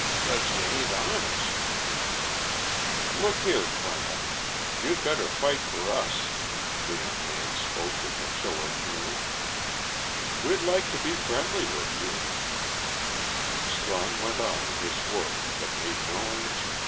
"C cause ye ain't honest." "Look here, Colonel, you'd better fight for us." The young man spoke with a show of feeling. "We'd like to be friendly with you." Strong went on with his work, but made no answer.